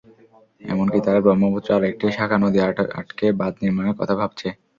এমনকি তারা ব্রহ্মপুত্রের আরেকটি শাখা নদী আটকে বাঁধ নির্মাণের কথা ভাবছে।